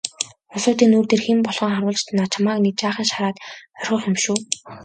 Улсуудын нүүр дээр хэн болохоо харуулж чамайг нэг жаахан шараад орхих юм шүү.